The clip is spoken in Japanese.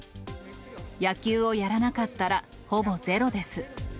野球をやらなかったら、ほぼゼロ。